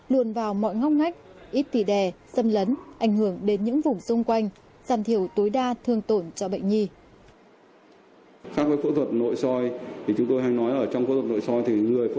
luồn vào mọi ngóc ngách ít tì đè xâm lấn ảnh hưởng đến những vùng xung quanh giảm thiểu tối đa thương tổn cho bệnh nhi